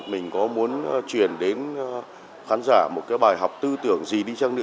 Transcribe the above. mình có muốn truyền đến khán giả một cái bài học tư tưởng gì đi chăng nữa